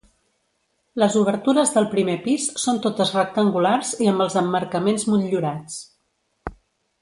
Les obertures del primer pis són totes rectangulars i amb els emmarcaments motllurats.